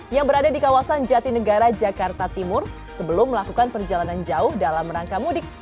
yang berada di kawasan jatinegara jakarta timur sebelum melakukan perjalanan jauh dalam rangka mudik